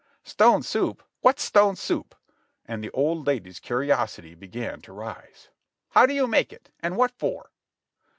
"Stone soup! what's stone soup?" and the old lady's curiosity began to rise. ■'How do you make it, and what for?"